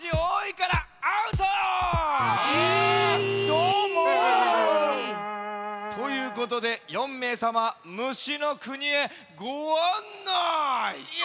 どーも。ということで４めいさま虫のくにへごあんない。